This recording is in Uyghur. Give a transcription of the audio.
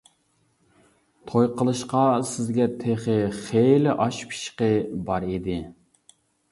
توي قىلىشقا سىزگە تېخى خېلى ئاش پىششىقى بار ئىدى.